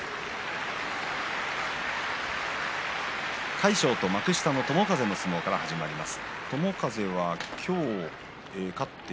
魁勝と幕下の友風の相撲から始まります。